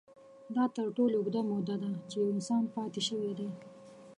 دا تر ټولو اوږده موده ده، چې یو انسان پاتې شوی دی.